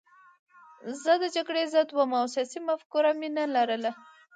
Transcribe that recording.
زه د جګړې ضد وم او سیاسي مفکوره مې نه لرله